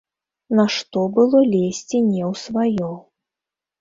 Нашто было лезці не ў сваё.